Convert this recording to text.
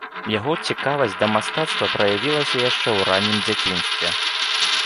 Яго цікавасць да мастацтва праявілася яшчэ ў раннім дзяцінстве.